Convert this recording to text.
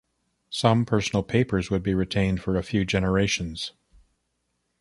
Some personal papers would be retained for a few generations.